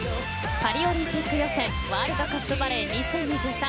パリオリンピック予選ワールドカップバレー２０２３。